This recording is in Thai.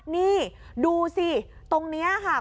นี่ดูสิตรงนี้ค่ะ